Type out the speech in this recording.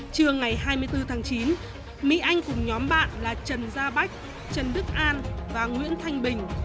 trưa ngày hai mươi bốn tháng chín mỹ anh cùng nhóm bạn là trần gia bách trần đức an và nguyễn thanh bình